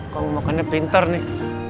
kau memakannya pintar nih